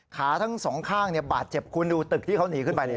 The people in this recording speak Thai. ขาทั้งสองข้างบาดเจ็บคุณดูตึกที่เขาหนีขึ้นไปนี่